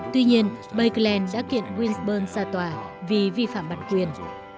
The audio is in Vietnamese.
tuy nhiên bakelite đã kiện winsburn xa tòa vì vi phạm bản quyền